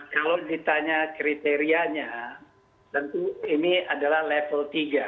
kalau ditanya kriterianya tentu ini adalah level tiga